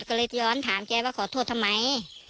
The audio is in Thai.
ก็เลยย้อนถามแกว่าขอโทษทำไม